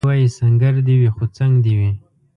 دی وايي سنګر دي وي خو څنګ دي وي